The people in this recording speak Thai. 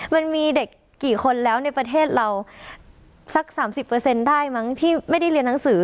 มันมีเด็กกี่คนแล้วในประเทศเราสัก๓๐ได้มั้งที่ไม่ได้เรียนหนังสือ